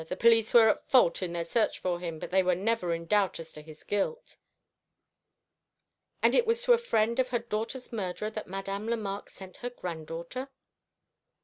The police were at fault in their search for him, but they were never in doubt as to his guilt." "And it was to a friend of her daughter's murderer that Madame Lemarque sent her granddaughter?"